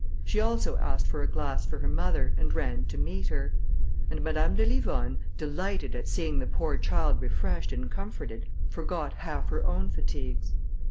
She also asked for a glass for her mother, and ran to meet her; and Madame de Livonne, delighted at seeing the poor child refreshed and comforted, forgot half her own fatigues.